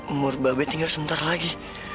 umur babe tinggal sebentar lagi